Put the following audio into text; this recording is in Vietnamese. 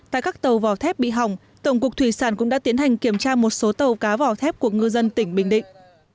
tại các tàu vỏ thép bị hỏng tổng cục thủy sản cũng đã tiến hành kiểm tra một số tàu cá vỏ thép của ngư dân tỉnh bình định